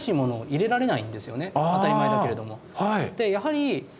当たり前だけれども。